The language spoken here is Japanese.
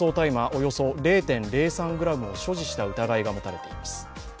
およそ０．０３ｇを所持した疑いが持たれています。